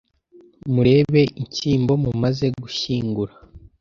Murebe inshyimbo mumaze gushyingura